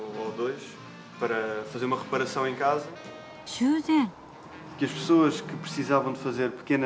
修繕。